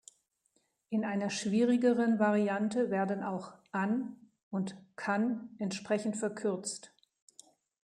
In einer schwierigeren Variante werden auch „an“ und „kann“ entsprechend verkürzt.